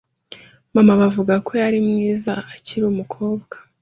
Mama bavuga ko yari mwiza akiri umukobwa.